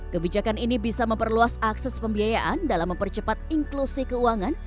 kebijakan ini bisa memperluas akses pembiayaan dalam mempercepat inklusi keuangan